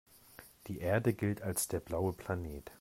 Die Erde gilt als der „blaue Planet“.